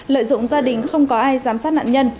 lợi dụng gia đình không có ai giám sát nạn nhân